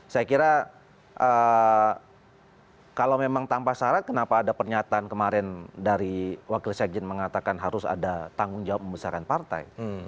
saya kira kalau memang tanpa syarat kenapa ada pernyataan kemarin dari wakil sekjen mengatakan harus ada tanggung jawab membesarkan partai